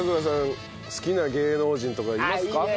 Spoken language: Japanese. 好きな芸能人とかいますか？